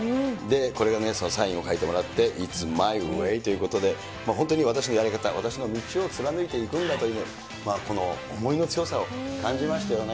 これがそのサインを書いてもらってイッツ・マイ・ウェイということで、本当に私のやり方、私の道を貫いていくんだという、この思いの強さを感じましたよね。